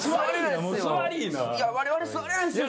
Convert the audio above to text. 我々座れないんですよ